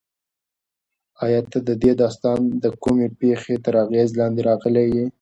ایا ته د دې داستان د کومې پېښې تر اغېز لاندې راغلی یې؟